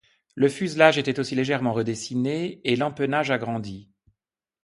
Le fuselage était aussi légèrement redessiné et l’empennage agrandi.